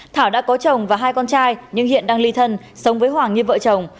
thảo đã có chồng và hai con trai nhưng hiện đang ly thân sống với hoàng như vợ chồng